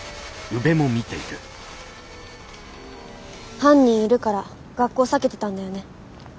犯人いるから学校避けてたんだよね？